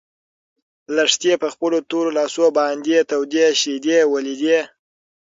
لښتې په خپلو تورو لاسو باندې تودې شيدې ولیدې.